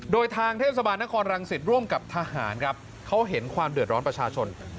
โดยทางเทศบาลนครรังสิตร่วมกับทหารครับเขาเห็นความเดือดร้อนประชาชน